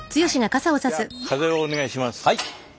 じゃあ風をお願いします。